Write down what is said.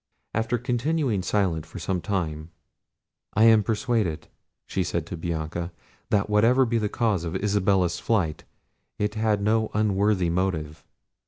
After continuing silent for some time, "I am persuaded," said she to Bianca, "that whatever be the cause of Isabella's flight it had no unworthy motive.